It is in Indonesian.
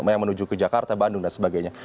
yang menuju ke jakarta bandung dan sebagainya